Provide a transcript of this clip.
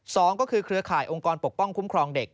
สองก็คือเครือข่ายองค์กรปกป้องคุ้มครองเด็ก